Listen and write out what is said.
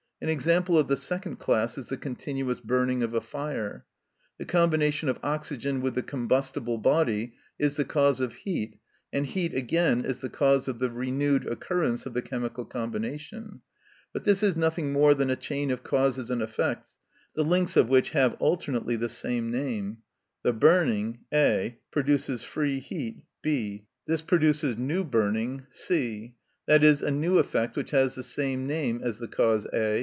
An example of the second class is the continuous burning of a fire. The combination of oxygen with the combustible body is the cause of heat, and heat, again, is the cause of the renewed occurrence of the chemical combination. But this is nothing more than a chain of causes and effects, the links of which have alternately the same name. The burning, A., produces free heat, B., this produces new burning, C. (i.e., a new effect which has the same name as the cause A.